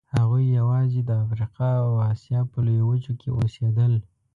هغوی یواځې د افریقا او اسیا په لویو وچو کې اوسېدل.